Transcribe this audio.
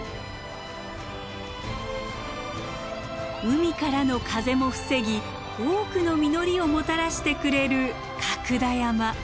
海からの風も防ぎ多くの実りをもたらしてくれる角田山。